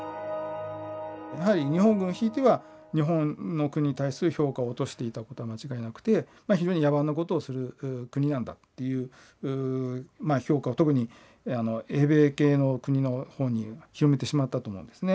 やはり日本軍ひいては日本の国に対する評価を落としていたことは間違いなくて非常に野蛮なことをする国なんだっていう評価を特に英米系の国のほうに広めてしまったと思うんですね。